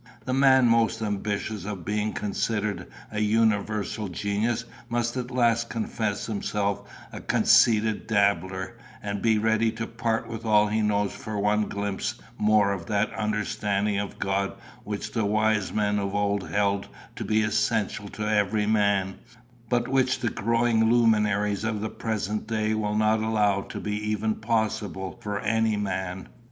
The man most ambitious of being considered a universal genius must at last confess himself a conceited dabbler, and be ready to part with all he knows for one glimpse more of that understanding of God which the wise men of old held to be essential to every man, but which the growing luminaries of the present day will not allow to be even possible for any man."